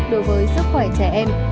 đối với sức khỏe trẻ em